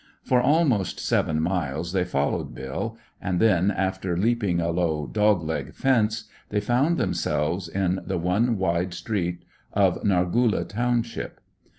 For almost seven miles they followed Bill, and then, after leaping a low "dog leg" fence, they found themselves in the one wide street of Nargoola township.